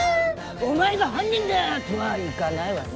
「お前が犯人だ！」とはいかないわね。